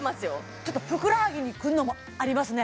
ちょっとふくらはぎにくるのもありますね